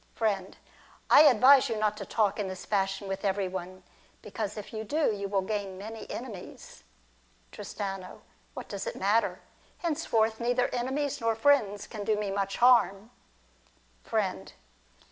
Friend. I advise you not to talk in this fashion with every one, because if you do you will gain many enemies. Tristano. What does it matter ? Henceforth, neither enemies nor friends can do me much harm. Friend.